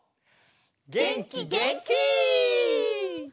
げんきげんき！